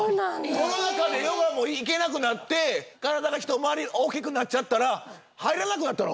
コロナ禍でヨガも行けなくなって体が一回り大きくなっちゃったら入らなくなったの？